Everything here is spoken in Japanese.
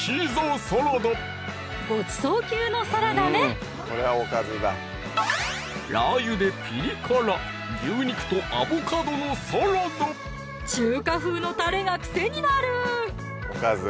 ごちそう級のサラダねラー油でピリ辛中華風のたれが癖になる！